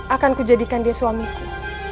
akan ku jadikan dia suamiku